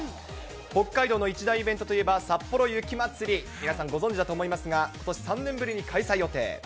北海道の一大イベントといえば、さっぽろ雪まつり、皆さんご存じだと思いますが、ことし３年ぶりに開催予定。